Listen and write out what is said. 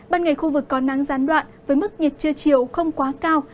ban ngày khu vực có nắng gián đoạn với mức nhiệt trưa chiều không quá cao